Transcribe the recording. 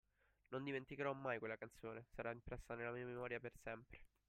Non dimenticherò mai quella canzone, sarà impressa nella mia memoria per sempre.